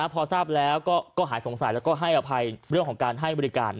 พอทราบแล้วก็หายสงสัยแล้วก็ให้อภัยเรื่องของการให้บริการ